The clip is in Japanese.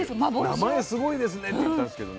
「名前すごいですね」って言ったんですけどね